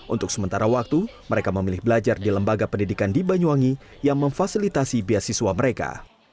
untuk sementara waktu mereka memilih belajar di lembaga pendidikan di banyuwangi yang memfasilitasi beasiswa mereka